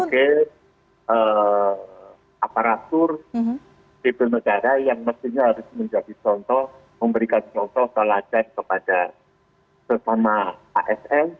sebagai aparatur sipil negara yang mestinya harus menjadi contoh memberikan contoh teladan kepada sesama asn